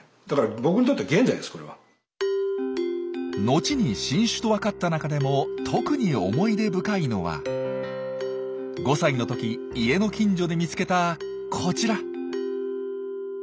後に新種と分かった中でも特に思い出深いのは５歳のとき家の近所で見つけたこちら。